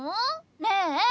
ねえ。